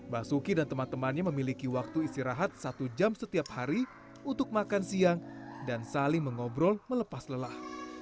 basuki dan teman temannya memiliki waktu istirahat satu jam setiap hari untuk makan siang dan saling mengobrol melepas lelah